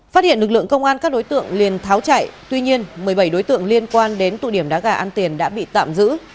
phát hiện lực lượng công an các đối tượng liền tháo chạy tuy nhiên một mươi bảy đối tượng liên quan đến tụ điểm đá gà ăn tiền đã bị tạm giữ